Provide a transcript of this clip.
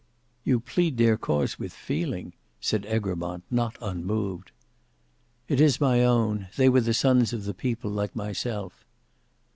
"You plead their cause with feeling," said Egremont, not unmoved. "It is my own; they were the sons of the People, like myself."